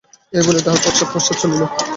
এই বলিয়া তাহার পশ্চাৎ পশ্চাৎ চলিল।